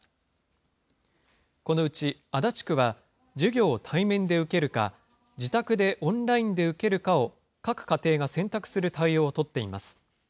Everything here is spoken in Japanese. このうち足立区は、授業を対面で受けるか、自宅でオンラインで受けるかを各家庭が選択する対応を取っています。